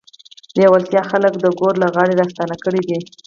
لېوالتیا خلک د ګور له غاړې راستانه کړي دي